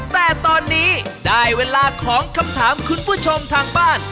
แต่ตอนนี้ได้เวลาของคำถามคุณผู้ชมทางบ้าน